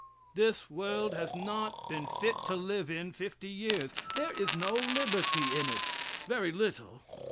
This world has not been fit to live in fifty years. There is no liberty in it very little.